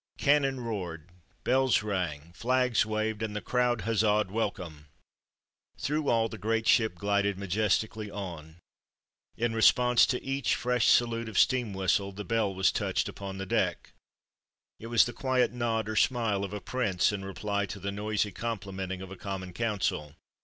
Cannon roared, bells rang, flags waved, and the crowd huzzaed welcome. Through all the great ship glided majestically on. In response to each fresh salute of steam whistle the bell was touched upon the deck it was the quiet nod or smile of a prince in reply to the noisy complimenting of a Common Council.